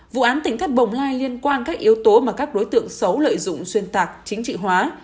vụ án tỉnh cắt bồng lai liên quan các yếu tố mà các đối tượng xấu lợi dụng xuyên tạc chính trị hóa